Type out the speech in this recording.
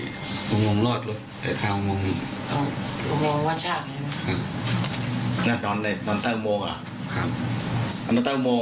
อมโมงอมโมงรวดไว้เหนื่อยทางอมโมง